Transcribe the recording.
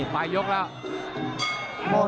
ไปยกแล้ว